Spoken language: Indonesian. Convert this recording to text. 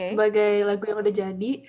sebagai lagu yang udah jadi